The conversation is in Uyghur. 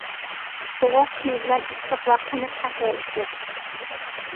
سوغۇق پىۋا بىلەن ئىسسىق ۋە قېنىق قەھۋە ئىچتۇق.